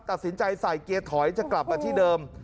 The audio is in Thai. ตัดสินใจใส่เกียร์ถอยจะกลับมาที่เดิม